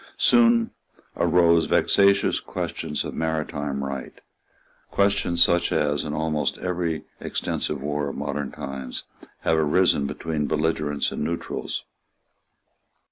Soon arose vexatious questions of maritime right, questions such as, in almost every extensive war of modern times, have arisen between belligerents and neutrals.